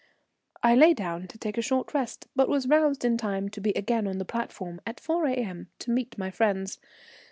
I lay down to take a short rest, but was roused in time to be again on the platform at 4 A.M. to meet my friends.